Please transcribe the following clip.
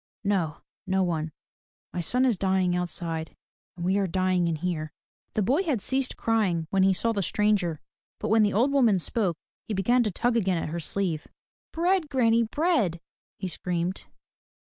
" No, no one. My son is dying outside and we are dying in here." The boy had ceased crying when he saw the stranger; but when the old woman spoke he began to tug again at her sleeve. "Bread, granny, bread!" he screamed.